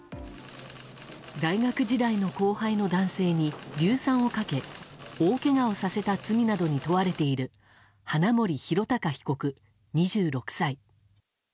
大学時代の後輩の男性に硫酸をかけ大けがをさせた罪などに問われている花森弘卓被告、２６歳。